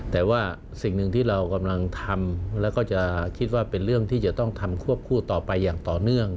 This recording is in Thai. แต่ว่าสิ่งหนึ่งที่เรากำลังทำแล้วก็จะคิดว่าเป็นเรื่องที่จะต้องทำควบคู่ต่อไปอย่างต่อเนื่อง